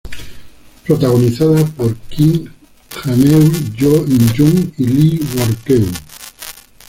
Protagonizada por Kim Ha-neul, Yoo In-young y Lee Won-keun.